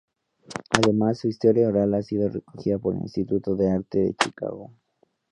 Además, su historia oral ha sido recogida por el Instituto de Arte de Chicago.